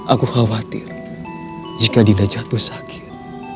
aku khawatir jika dina jatuh sakit